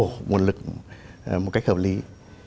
một nguồn lực một cách hợp lý